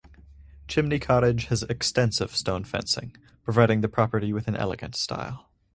Chimney Cottage has extensive stone fencing providing the property with an elegant style.